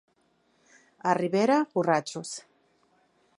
A Ribera, borratxos.